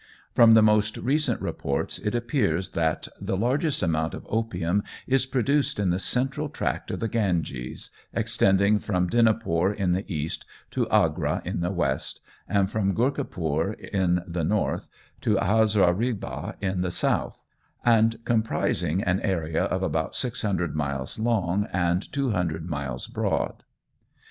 From the most recent reports it appears that "the largest amount of opium is produced in the central tract of the Ganges, extending from Dinapore in the east, to Agra in the west, and from Gorakhpur in the north to Hazaribagh in the south, and comprising an area of about 600 miles long and 200 miles broad."